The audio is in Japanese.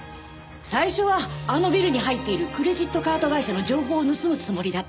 最初はあのビルに入っているクレジットカード会社の情報を盗むつもりだった。